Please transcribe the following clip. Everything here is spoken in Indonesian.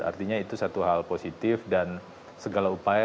artinya itu satu hal positif dan segala upaya